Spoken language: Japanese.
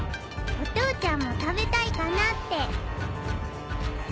お父ちゃんも食べたいかなって。